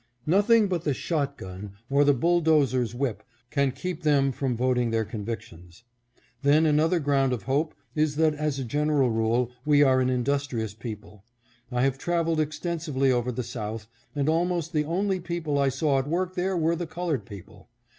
Nothing but the shot gun or the bull dozer's whip can keep them from voting their convictions. Then another ground of hope is that as a general rule we are an indus trious people. I have traveled extensively over the South, and almost the only people I saw at work there were the colored people.